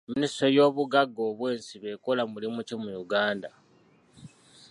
Minisitule y'obugagga obw'ensibo ekola mulimu ki mu Uganda?